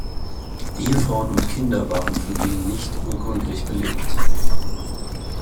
Ehefrauen und Kinder waren von ihm nicht urkundlich belegt.